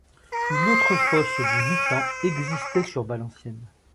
Une autre fosse du Mitant existait sur Valenciennes.